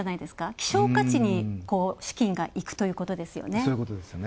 希少価値に資金がいくということですよね。